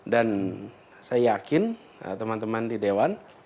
dan saya yakin teman teman di dewan